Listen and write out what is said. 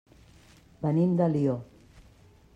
Venim d'Alió.